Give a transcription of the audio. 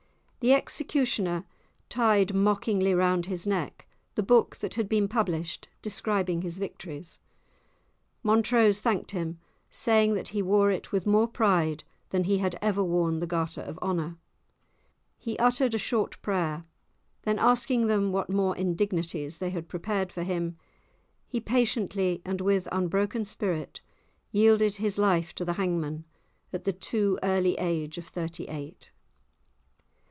The executioner tied mockingly round his neck the book that had been published describing his victories; Montrose thanked him, saying that he wore it with more pride than he had ever worn the garter of honour. He uttered a short prayer; then asking them what more indignities they had prepared for him, he patiently and with unbroken spirit yielded his life to the hangman, at the too early age of thirty eight.